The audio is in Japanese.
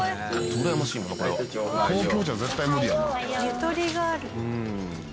「ゆとりがある」